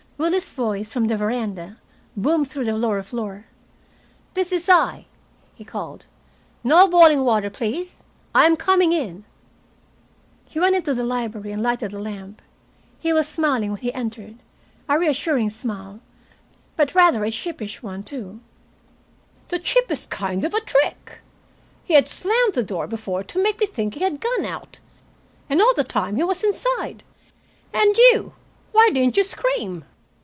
Willie's voice from the veranda boomed through the lower floor. "This is I," he called, "No boiling water, please. I am coming in." He went into the library and lighted a lamp. He was smiling when I entered, a reassuring smile, but rather a sheepish one, too. "To think of letting him get by like that!" he said. "The cheapest kind of a trick. He had slammed the door before to make me think he had gone out, and all the time he was inside. And you why didn't you scream?"